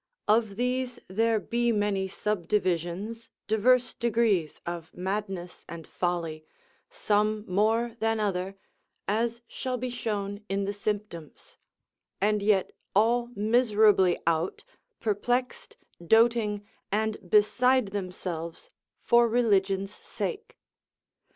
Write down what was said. Of these there be many subdivisions, diverse degrees of madness and folly, some more than other, as shall be shown in the symptoms: and yet all miserably out, perplexed, doting, and beside themselves for religion's sake.